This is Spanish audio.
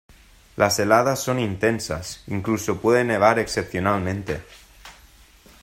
Las heladas son intensas, incluso puede nevar excepcionalmente.